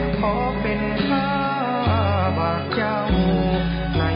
ที่เผ็ดเป็นคนให้ให้รักฉะนั้นที่เก่า